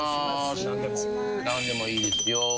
何でもいいですよ。